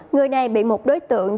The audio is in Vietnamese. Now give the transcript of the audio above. người này bị một đối tượng